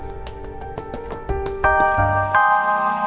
ya allah mana yang harus aku selamatkan